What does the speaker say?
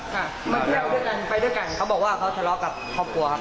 มาเที่ยวด้วยกันไปด้วยกันเขาบอกว่าเขาทะเลาะกับครอบครัวครับ